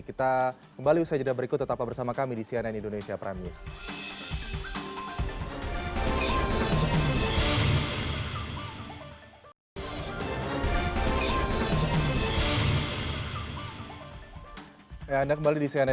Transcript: kita kembali usai jadwal berikut tetaplah bersama kami di cnn indonesia prime news